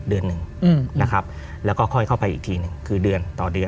เดือนหนึ่งนะครับแล้วก็ค่อยเข้าไปอีกทีหนึ่งคือเดือนต่อเดือน